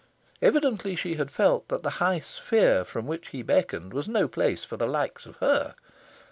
Evidently, she had felt that the high sphere from which he beckoned was no place for the likes of her.